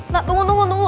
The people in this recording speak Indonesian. tak tunggu tunggu tunggu